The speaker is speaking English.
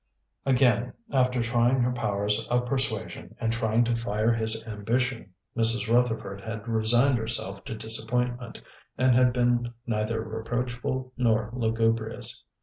Again, after trying her powers of persuasion, and trying to fire his ambition, Mrs. Rutherford had resigned herself to disappointment, and had been neither reproachful nor lugubrious.